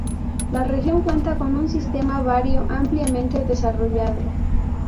La región cuenta con un sistema viario ampliamente desarrollado.